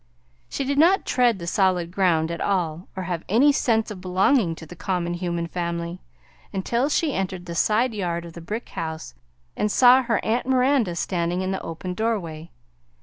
She did not tread the solid ground at all, or have any sense of belonging to the common human family, until she entered the side yard of the brick house and saw her aunt Miranda standing in the open doorway.